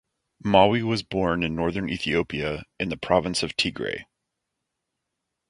Mawi was born in northern Ethiopia, in the province of Tigray.